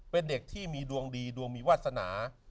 เป็นเด็กที่มีดวงดีดวงมีวาสนา